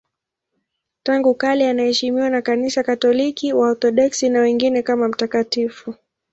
Tangu kale anaheshimiwa na Kanisa Katoliki, Waorthodoksi na wengineo kama mtakatifu.